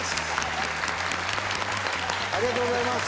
ありがとうございます。